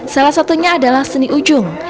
salah satunya adalah seni ujung